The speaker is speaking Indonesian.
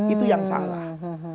itu yang salah